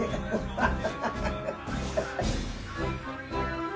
ハハハハ。